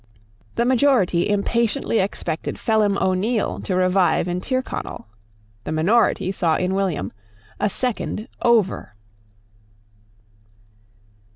The majority impatiently expected Phelim O'Neil to revive in Tyrconnel. The minority saw in William a second Over.